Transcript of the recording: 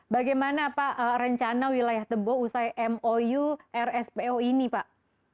bagaimana pak rencana wilayah tebo usai mou rspo ini pak